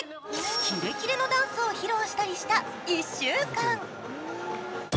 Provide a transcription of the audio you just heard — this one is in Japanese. キレキレのダンスを披露したりした１週間。